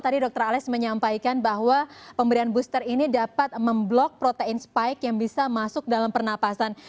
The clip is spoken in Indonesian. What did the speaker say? tadi dr alex menyampaikan bahwa pemberian booster ini dapat memblok protein spike yang bisa masuk dalam pernapasan